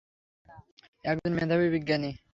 একজন মেধাবী বিজ্ঞানী!